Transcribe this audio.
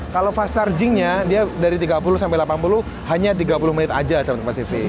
kalau fast charging nya dia dari tiga puluh sampai delapan puluh hanya tiga puluh menit saja sahabat kompas tv